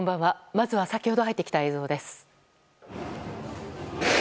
まずは先ほど入ってきた映像です。